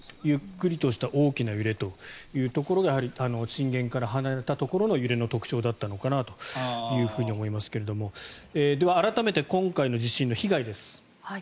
ゆっくりとした大きな揺れというところが震源から離れたところの揺れの特徴だったのかなと思いますけど改めて今回の地震の被害です。